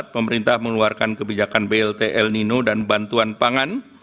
pemerintah mengeluarkan kebijakan blt el nino dan bantuan pangan